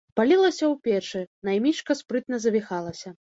Палілася ў печы, наймічка спрытна завіхалася.